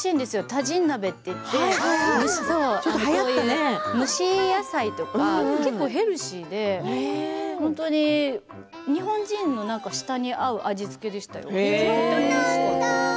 タジン鍋といって蒸し野菜とか結構ヘルシーで日本人の舌に合う味付けでしたよ。